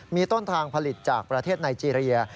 มีต้นทางผลิตจากประเทศไนเจรีย